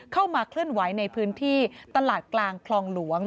เข้ามาเคลื่อนไหวในพื้นที่ตลาดกลางคลองหลวง